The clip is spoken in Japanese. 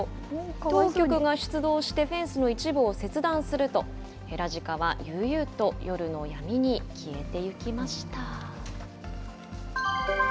当局が出動してフェンスの一部を切断すると、ヘラジカは悠々と夜の闇に消えていきました。